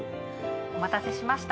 お待たせしました。